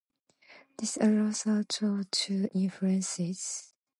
This arose out of two influences.